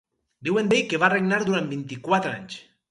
Diuen d'ell que va regnar durant vint-i-quatre anys.